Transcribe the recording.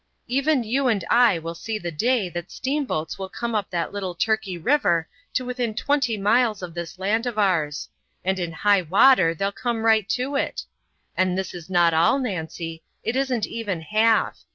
"Even you and I will see the day that steamboats will come up that little Turkey river to within twenty miles of this land of ours and in high water they'll come right to it! And this is not all, Nancy it isn't even half!